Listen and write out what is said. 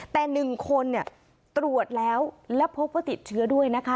แต่๑คนตรวจแล้วแล้วพบว่าติดเชื้อด้วยนะคะ